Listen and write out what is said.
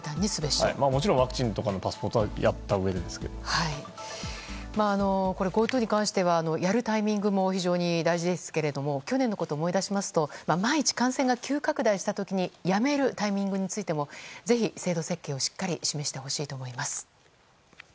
もちろんワクチンとかのパスポートはＧｏＴｏに関してはやるタイミングも非常に大事ですが去年のことを思い出しますと万一、感染が急拡大した時にやめるタイミングについてもぜひ制度設計を示してほしいと思います。